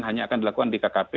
hanya akan dilakukan di kkp